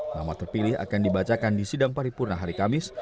nama terpilih akan dibacakan di sidang paripurna hari kamis